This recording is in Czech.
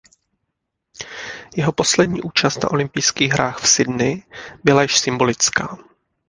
Jeho poslední účast na olympijských hrách v Sydney byla již symbolická.